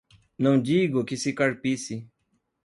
Não digo que se carpisse